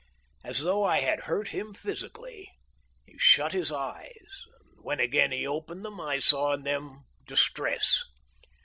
As though I had hurt him physically, he shut his eyes, and when again he opened them I saw in them distress.